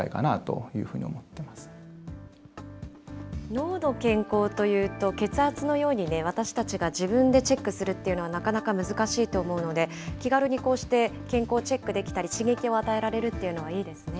脳の健康というと、血圧のようにね、私たちが自分でチェックするっていうのはなかなか難しいと思うので、気軽にこうして健康チェックできたり、刺激を与えられるっていうのはいいですね。